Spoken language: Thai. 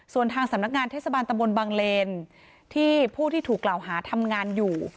ส่วนทางสำนักงานเทศบาลตำบลบังเลนที่ผู้ที่ถูกกล่าวหาทำงานอยู่